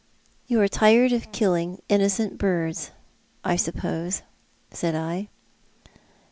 "You were tired of killing innocent little birds, I suppose," said I.